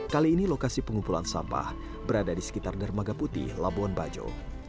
kali ini lokasi pengumpulan sampah berada di sekitar dermaga putih labuan bajo